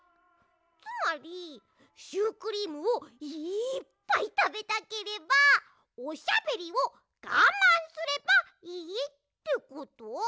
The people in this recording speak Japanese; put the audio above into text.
つまりシュークリームをいっぱいたべたければおしゃべりをがまんすればいいってこと？